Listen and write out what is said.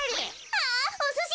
あっおすし！